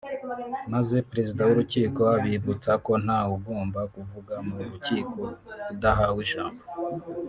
maze Perezida w’Urukiko abibutsa ko nta ugomba kuvuga mu rukiko adahawe ijambo